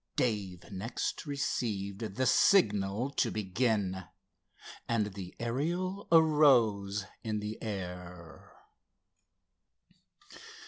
Dave next received the signal to begin, and the Ariel arose in the air.